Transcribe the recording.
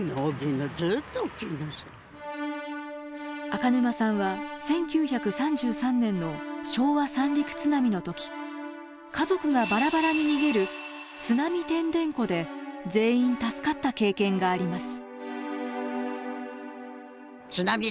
赤沼さんは１９３３年の昭和三陸津波の時家族がばらばらに逃げる「津波てんでんこ」で全員助かった経験があります。